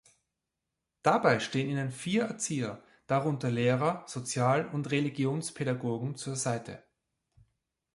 Dabei stehen ihnen vier Erzieher, darunter Lehrer, Sozial- und Religionspädagogen zur Seite.